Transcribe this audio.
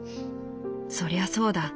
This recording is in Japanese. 「そりゃそうだ。